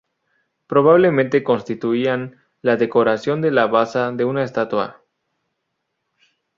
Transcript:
Probablemente constituían la decoración de la basa de una estatua.